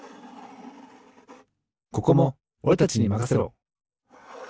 ここもおれたちにまかせろ！